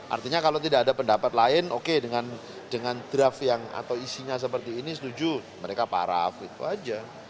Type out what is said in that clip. artinya kalau tidak ada pendapat lain oke dengan draft yang atau isinya seperti ini setuju mereka paraf gitu aja